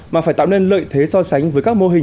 mà phải tạo nên lợi thế so sánh